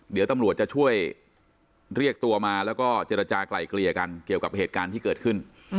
เดี๋ยวตำรวจจะช่วยเรียกตัวมาแล้วก็เจรจากลายเกลี่ยกันเกี่ยวกับเหตุการณ์ที่เกิดขึ้น